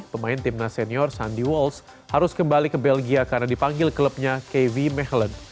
pemain timnas senior sandy walsh harus kembali ke belgia karena dipanggil klubnya kv mechelen